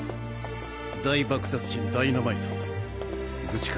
大・爆・殺・神ダイナマイト無事か。